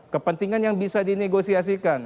kepentingan yang bisa dinegosiasikan